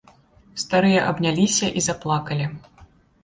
Старыя абняліся і заплакалі.